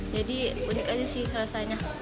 jadi unik aja sih rasanya